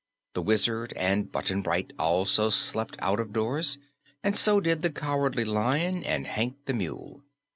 The Wizard and Button Bright also slept out of doors, and so did the Cowardly Lion and Hank the Mule.